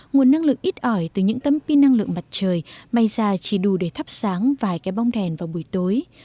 nguồn năng lượng ít ỏi từ những tấm pin năng lượng mặt trời may ra chỉ đủ để thắp sáng vài cái bóng đèn vào buổi tối